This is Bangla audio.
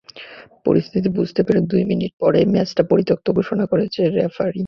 পরিস্থিতি বুঝতে পেরে দুই মিনিট পরেই ম্যাচটা পরিত্যক্ত ঘোষণা করেছেন রেফারি।